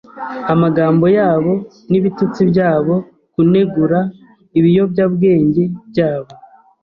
amagambo yabo, n'ibitutsi byabo, kunegura .... ibiyobyabwenge byabo